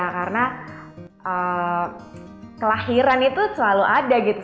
karena kelahiran itu selalu ada gitu